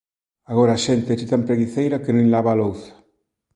Agora a xente éche tan preguiceira que nin lava a louza